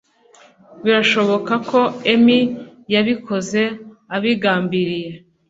Birashoboka ko emmy yabikoze abigambiriye.